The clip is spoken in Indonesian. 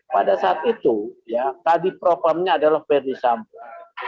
pada saat itu tadi programnya adalah ferdisambul